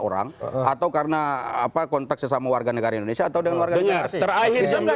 orang atau karena apa kontak sesama warga negara indonesia atau dengan warganya terakhir jam lima